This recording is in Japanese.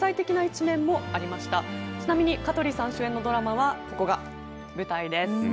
ちなみに香取さん主演のドラマはここが舞台です。